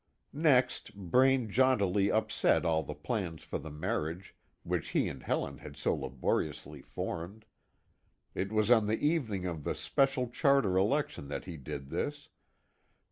Next, Braine jauntily upset all the plans for the marriage, which he and Helen had so laboriously formed. It was on the evening of the special charter election that he did this.